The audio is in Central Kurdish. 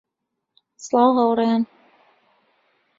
سڵاو هاوڕێیان